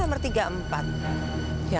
yang mana rumahnya darah ya